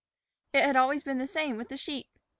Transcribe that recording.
It had always been the same with the sheep.